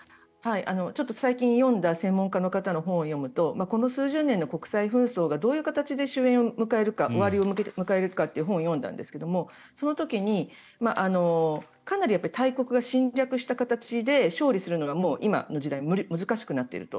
最近読んだ専門家の方の本を読むとこの数十年の紛争がどういう形で終えん、終わりを迎えるかという本を読んだんですがその時に、かなり大国が侵略した形で勝利するのは今の時代難しくなっていると。